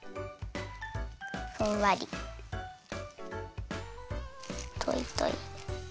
ふんわり！といとい。